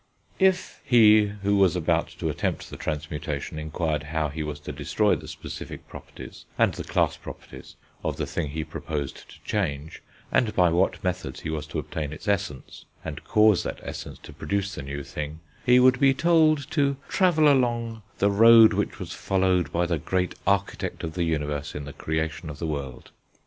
If he who was about to attempt the transmutation inquired how he was to destroy the specific properties, and the class properties, of the thing he proposed to change, and by what methods he was to obtain its Essence, and cause that Essence to produce the new thing, he would be told to travel along "the road which was followed by the Great Architect of the Universe in the creation of the world."